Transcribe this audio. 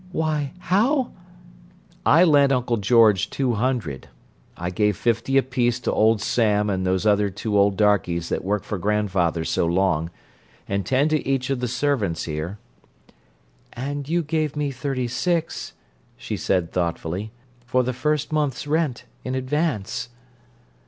"Why, how—" "I lent Uncle George two hundred; I gave fifty apiece to old Sam and those two other old darkies that worked for grandfather so long, and ten to each of the servants here—" "And you gave me thirty six," she said thoughtfully, "for the first month's rent, in advance."